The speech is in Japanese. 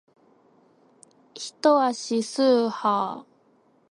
一足す一は一ー